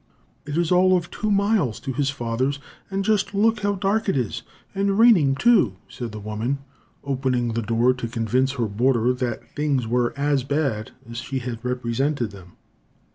"It is all of two miles to his father's, and just look how dark it is, and raining, too," said the woman, opening the door to convince her boarder that things were as bad as she had represented them.